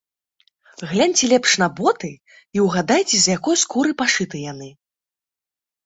Гляньце лепш на боты і ўгадайце, з якой скуры пашыты яны.